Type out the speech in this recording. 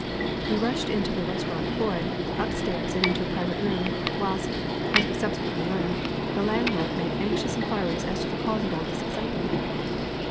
We rushed into the Restaurant Foy, up stairs, and into a private room; whilst, as we subsequently learned, the landlord made anxious inquiries as to the cause of all this excitement.